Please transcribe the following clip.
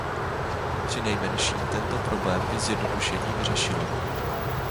Přinejmenším tento problém by zjednodušení vyřešilo.